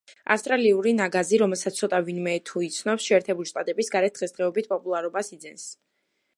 ავსტრალიური ნაგაზი, რომელსაც ცოტა ვინმე თუ იცნობს შეერთებული შტატების გარეთ, დღესდღეობით პოპულარობას იძენს.